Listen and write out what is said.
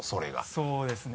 そうですね。